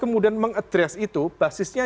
kemudian mengadres itu basisnya